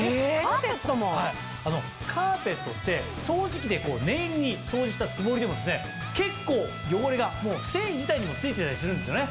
・カーペットって掃除機で念入りに掃除したつもりでも結構汚れが繊維自体にも付いていたりするんですよね。